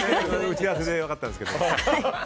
打ち合わせで分かったんですけど。